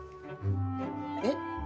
えっ？